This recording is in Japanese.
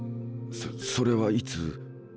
そそれはいつ？